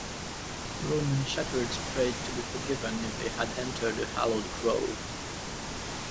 Roman shepherds prayed to be forgiven if they had entered a hallowed grove.